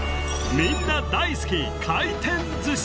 みんな大好き回転ずし！